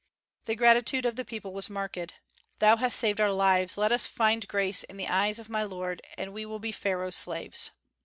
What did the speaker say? The gratitude of the people was marked: "Thou hast saved our lives: let us find grace in the eyes of my lord, and we will be Pharaoh's slaves."